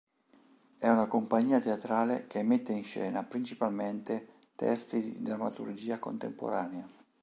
È una compagnia teatrale che mette in scena principalmente testi di drammaturgia contemporanea.